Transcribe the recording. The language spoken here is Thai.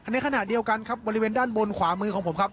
ในขณะเดียวกันครับบริเวณด้านบนขวามือของผมครับ